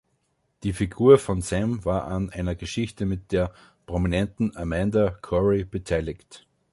Die Figur von Sam war an einer Geschichte mit der Prominenten Amanda Cory beteiligt.